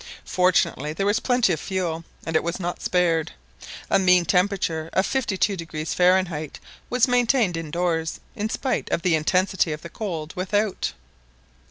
Fortunately there was plenty of fuel, and it was not spared. A mean temperature of 52° Fahrenheit was maintained indoors in spite of the intensity of the cold without.